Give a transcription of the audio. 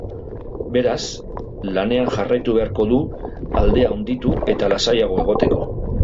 Beraz, lanean jarraitu beharko du aldea handitu eta lasaiago egoteko.